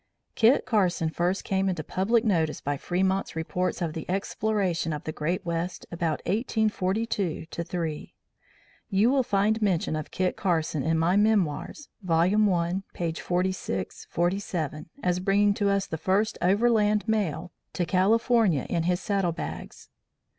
"Kit Carson first came into public notice by Fremont's Reports of the Exploration of the Great West about 1842 3. You will find mention of Kit Carson in my memoirs, vol. I, p. 46, 47, as bringing to us the first overland mail to California in his saddle bags.